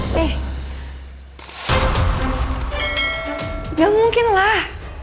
nggak mungkin lah